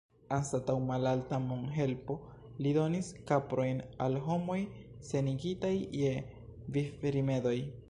Anstataŭ malalta monhelpo, li donis kaprojn al homoj senigitaj je vivrimedoj.